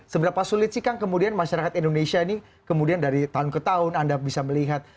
seberapa sulit sih kang kemudian masyarakat indonesia ini kemudian dari tahun ke tahun anda bisa melihat